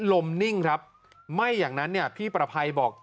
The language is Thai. นิ่งครับไม่อย่างนั้นเนี่ยพี่ประภัยบอก